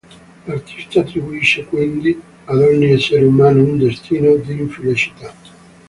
L'artista attribuisce quindi ad ogni essere umano un destino di infelicità.